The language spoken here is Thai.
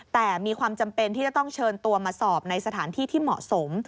แต่มีความจำเป็นที่จะต้องเชิญตัวมาสอบในสถานที่ที่เหมาะสม